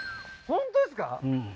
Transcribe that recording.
本当ですか？